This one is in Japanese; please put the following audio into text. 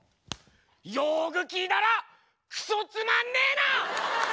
よく聞いたらクソつまんねえな！